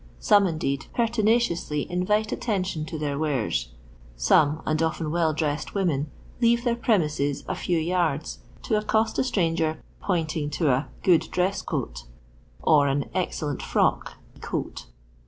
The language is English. Some, indeed, pertinaciously invite attention to their wares ; some (and often well dressed women) leave their premises a few yards to accost a stranger pointing to a '' good dress coat or *'an excellent frock" (coat).